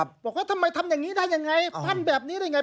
บอกว่าทำไมทำอย่างนี้ได้อย่างไรพันธุ์แบบนี้ได้อย่างไร